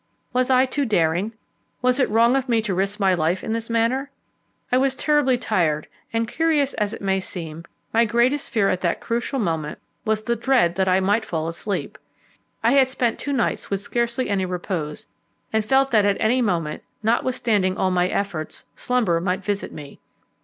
Was I too daring? Was it wrong of me to risk my life in this manner? I was terribly tired, and, curious as it may seem, my greatest fear at that crucial moment was the dread that I might fall asleep. I had spent two nights with scarcely any repose, and felt that at any moment, notwithstanding all my efforts, slumber might visit me.